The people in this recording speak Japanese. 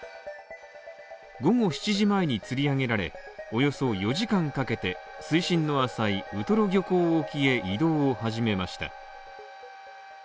午後７時前につり上げられ、およそ４時間かけて、水深の浅いウトロ漁港沖へ移動を始めました。